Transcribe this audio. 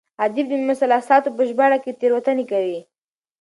ادیب د مثلثاتو په ژباړه کې تېروتنې کوي.